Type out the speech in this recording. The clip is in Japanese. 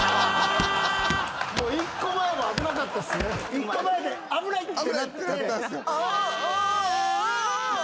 １個前で危ない！ってなって。